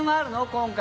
今回。